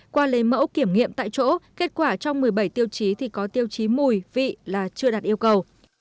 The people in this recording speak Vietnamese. qua lấy mẫu kiểm nghiệm tại chỗ kết quả trong một mươi bảy tiêu chí thì có tiêu chí mùi vị là chưa đạt yêu cầu